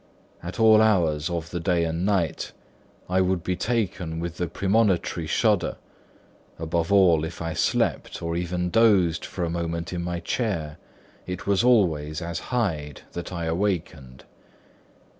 At all hours of the day and night, I would be taken with the premonitory shudder; above all, if I slept, or even dozed for a moment in my chair, it was always as Hyde that I awakened.